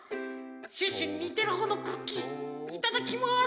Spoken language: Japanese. シュッシュににてるほうのクッキーいただきます。